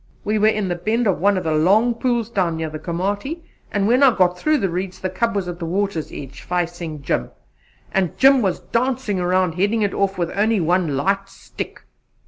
We were in the bend of one of the long pools down near the Komati, and when I got through the reeds the cub was at the water's edge facing Jim, and Jim was dancing around heading it off with only one light stick.